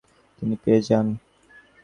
তিনি পেয়ে যান ।